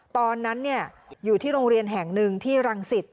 ตอนนั้นอยู่ที่โรงเรียนแห่งหนึ่งที่รังสิต